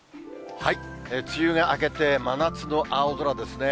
梅雨が明けて、真夏の青空ですね。